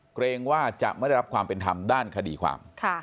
เกรงว่าจะไม่ได้รับความเป็นธรรมด้านคดีความ